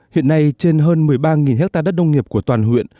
hiện nay trên hơn một mươi ba ha đất nông nghiệp của toàn huyện